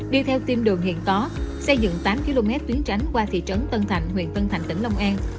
đi theo tim đường hiện có xây dựng tám km tuyến tránh qua thị trấn tân thạnh huyện tân thạnh tỉnh lông an